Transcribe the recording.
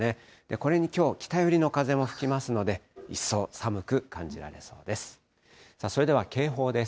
これに、きょう、北寄りの風も吹きますので、一層寒く感じられそうです。